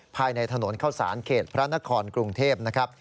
ภายในถนนเข้าสารเขตพระนครกรุงเทพนะครับ